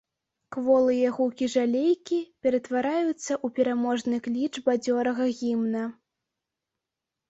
Кволыя гукі жалейкі ператвараюцца ў пераможны кліч бадзёрага гімна.